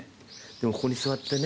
ここに座ってね。